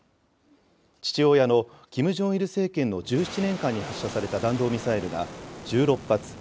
父親のキム・ジョンイル政権の１７年間に発射された弾道ミサイルが１６発。